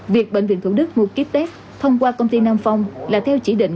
việc bệnh viện thủ đức mua ký test thông qua công ty nam phong là theo chỉ định